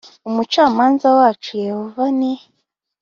Umucamanza wacu a Yehova ni